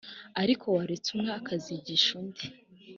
Ariko waretse umwe akazigisha undi